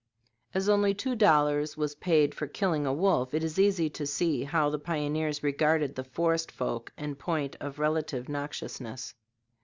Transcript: As only two dollars was paid for killing a wolf, it is easy to see how the pioneers regarded the forest folk in point of relative noxiousness.